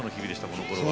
このころは。